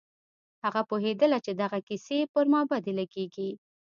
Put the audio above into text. هغه پوهېدله چې دغه کيسې پر ما بدې لگېږي.